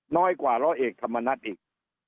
น้อยกว่าร้อยเอกธรรมนัฐอีก